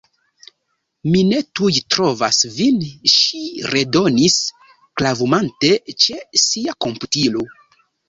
Mi ne tuj trovas vin, ŝi redonis, klavumante ĉe sia komputilo.